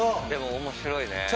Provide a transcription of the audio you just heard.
でも面白いね。